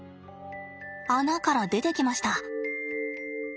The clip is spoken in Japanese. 穴から出てきました。